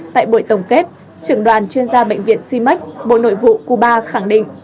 tại buổi tổng kết trưởng đoàn chuyên gia bệnh viện cmec bộ nội vụ cuba khẳng định